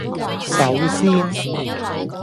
首先